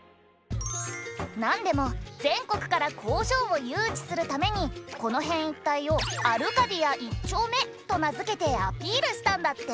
なんでも全国から工場を誘致するためにこの辺一帯をアルカディア１丁目と名付けてアピールしたんだって。